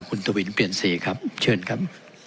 คุณตวินเปลี่ยนสีครับเชิญครับ